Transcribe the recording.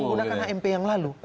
menggunakan hmp yang lalu